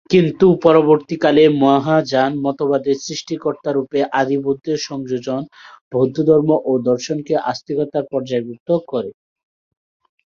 কিন্তু পরবর্তীকালে মহাযান মতবাদে সৃষ্টিকর্তারূপে আদিবুদ্ধের সংযোজন বৌদ্ধধর্ম ও দর্শনকে আস্তিকতার পর্যায়ভুক্ত করে।